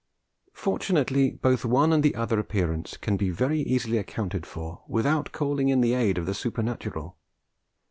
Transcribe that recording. Fortunately both one and the other appearance can be very easily accounted for without calling in the aid of the supernatural.